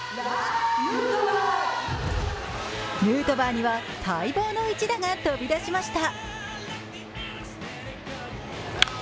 ヌートバーには待望の一打が飛び出しました。